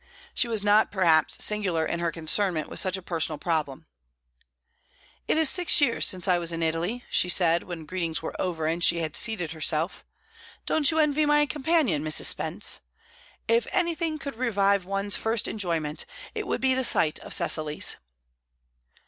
She was not, perhaps, singular in her concernment with such a personal problem. "It is six years since I was in Italy," she said, when greetings were over, and she had seated herself. "Don't you envy me my companion, Mrs. Spence? If anything could revive one's first enjoyment, it would be the sight of Cecily's."